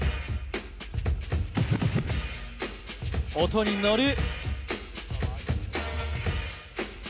音に乗る！